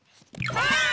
ばあっ！